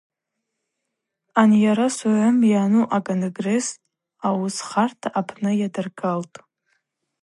Анйара Согӏвым йаъу а-Конгресс ауысхарта апны йадыргалтӏ.